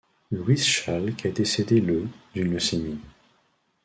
Louis Schalk est décédé le d'une leucémie.